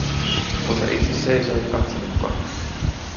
Mutta itse seisoi, ja katseli muka.